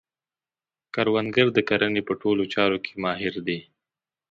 کروندګر د کرنې په ټولو چارو کې ماهر دی